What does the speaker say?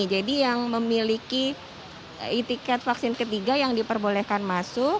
jadi yang memiliki etiket vaksin ketiga yang diperbolehkan masuk